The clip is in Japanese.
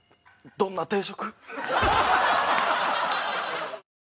どんな定食？